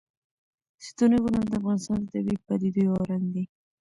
ستوني غرونه د افغانستان د طبیعي پدیدو یو رنګ دی.